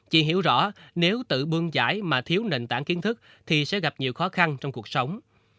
chị hiểu rõ nếu tự bương giải mà thiếu nền tảng kiến thức thì sẽ gặp nhiều khó khăn trong cuộc sống